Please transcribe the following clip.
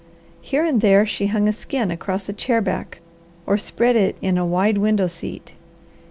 Here and there she hung a skin across a chair back, or spread it in a wide window seat.